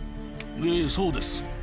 ええそうです